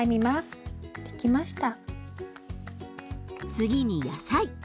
次に野菜。